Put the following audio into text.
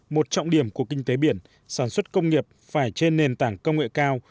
một trọng điểm của kinh tế biển sản xuất công nghiệp phải trên nền tảng công nghệ cao